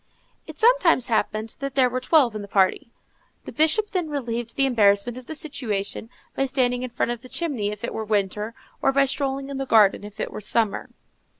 It sometimes happened that there were twelve in the party; the Bishop then relieved the embarrassment of the situation by standing in front of the chimney if it was winter, or by strolling in the garden if it was summer.